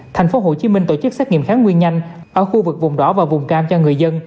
tp hcm tổ chức xét nghiệm kháng nguyên nhanh ở khu vực vùng đỏ và vùng cam cho người dân